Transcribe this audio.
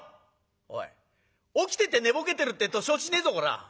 「おい起きてて寝ぼけてるってえと承知しねえぞこら！